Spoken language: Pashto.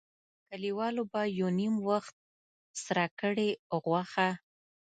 کلیوالو به یو نیم وخت سره کړې غوښه.